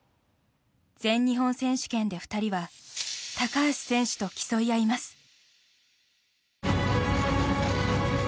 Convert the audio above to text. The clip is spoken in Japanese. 全日本選手権で２人は高橋選手と競い合います。